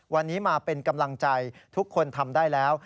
วันนี้มาเป็นกำลังใจทุกคนทำได้แล้ว